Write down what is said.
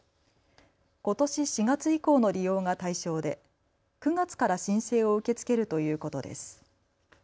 ことし４月以降の利用が対象で９月から申請を受け付けるということです。